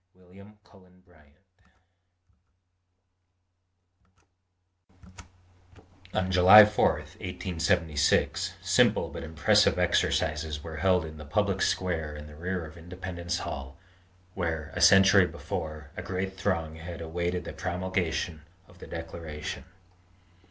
WILLIAM CULLEN BRYANT. On July 4, 1876, simple but impressive exercises were held in the public square in the rear of Independence Hall, where, a century before, a great throng had awaited the promulgation of the "Declaration."